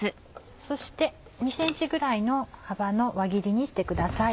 そして２ｃｍぐらいの幅の輪切りにしてください。